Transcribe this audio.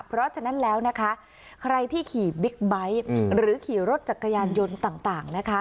เพราะฉะนั้นแล้วนะคะใครที่ขี่บิ๊กไบท์หรือขี่รถจักรยานยนต์ต่างนะคะ